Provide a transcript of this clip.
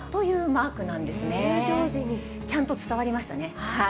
ちゃんと伝わりましたね。